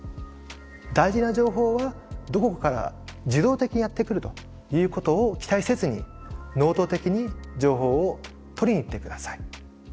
大事な情報はどこかから自動的にやって来るということを期待せずに能動的に情報を取りに行って下さい。